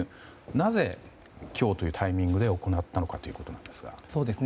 なぜ今日というタイミングで行ったのかということですが。